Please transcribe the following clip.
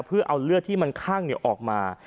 เพื่อเอาเลือดที่มันคั่งออกมา